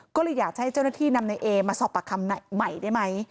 ก็เลยอยากจะให้เจ้าหน้าที่นำในเอมาสอบปากคำใหม่ได้ไหม